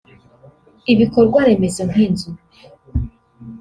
Ibikorwa remezo nk’inzu